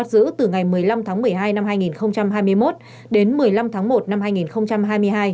bắt giữ từ ngày một mươi năm tháng một mươi hai năm hai nghìn hai mươi một đến một mươi năm tháng một năm hai nghìn hai mươi hai